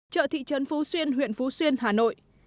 chợ thị trấn phú xuyên huyện phú xuyên hà nội